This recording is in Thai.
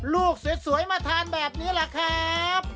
ลูกสวยมาทานแบบนี้แหละครับ